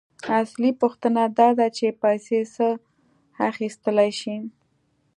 اصلي پوښتنه داده چې پیسې څه اخیستلی شي